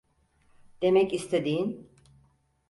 Demek istediğin…